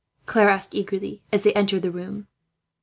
Claire asked eagerly, as they entered the room.